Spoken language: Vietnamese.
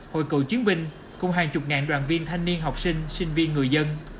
hội cựu chiến binh cùng hàng chục ngàn đoàn viên thanh niên học sinh sinh viên người dân